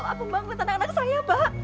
mbak aku bangun anak anak saya mbak